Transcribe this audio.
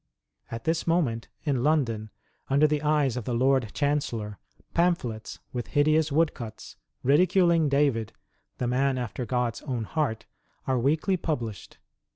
At this moment, in London, under the eyes of the Lord Chancellor, pamphlets, with hideous woodcuts, ridiculing David, ''the man after God's own heart," are weekly published.